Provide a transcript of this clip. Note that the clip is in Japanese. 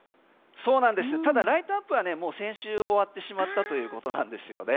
ただライトアップは先週終わってしまったということなんですよね。